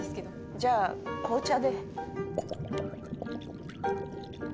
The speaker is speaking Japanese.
じゃあ紅茶で。